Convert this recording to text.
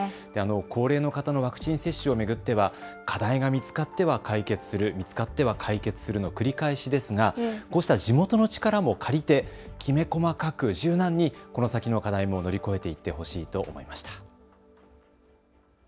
高齢の方のワクチン接種を巡っては課題が見つかっては解決する見つかっては解決するの繰り返しですがこうした地元の力も借りてきめ細かく柔軟にこの先の課題も乗り越えていってほしいと思いました。